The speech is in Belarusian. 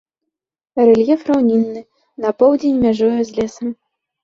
Рэльеф раўнінны, на поўдзень мяжуе з лесам.